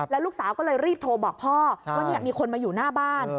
ลูกสาวก็เลยรีบโทรบอกพ่อว่ามีคนมาอยู่หน้าบ้าน